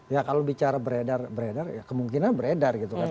ya kalau bicara beredar beredar ya kemungkinan beredar gitu kan